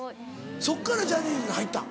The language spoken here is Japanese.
そっからジャニーズに入ったん？